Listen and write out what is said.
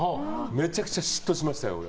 めちゃくちゃ嫉妬しましたよ。